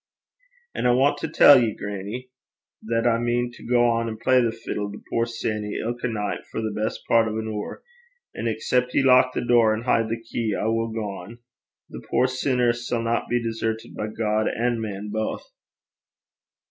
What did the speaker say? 'An' I want to tell ye, grannie, that I mean to gang an' play the fiddle to puir Sanny ilka nicht for the best pairt o' an hoor; an' excep' ye lock the door an' hide the key, I will gang. The puir sinner sanna be desertit by God an' man baith.'